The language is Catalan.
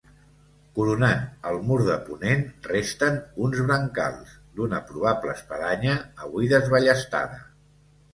Coronant el mur de ponent resten uns brancals d'una probable espadanya, avui desballestada.